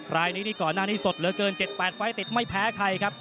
รายนี้นี่ก่อนหน้านี้สดเหลือเกิน๗๘ไฟล์ติดไม่แพ้ใครครับ